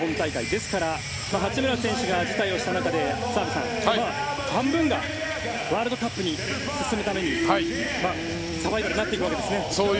ですから八村選手が辞退をした中で澤部さん、半分がワールドカップに進むためにサバイバルになっていくわけですね。